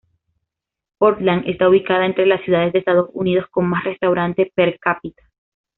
Portland está ubicada entre las ciudades de Estados Unidos con más restaurantes per cápita.